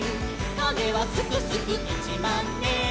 「かめはすくすくいちまんねん！」